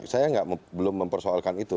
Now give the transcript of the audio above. saya belum mempersoalkan itu